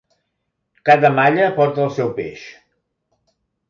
Cada malla porta el seu peix.